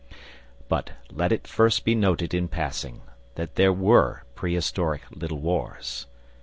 But first let it be noted in passing that there were prehistoric "Little Wars."